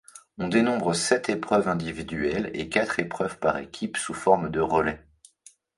On dénombre sept épreuves individuelles et quatre épreuves par équipe sous forme de relais.